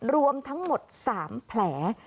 รวมทั้งหมด๓แผล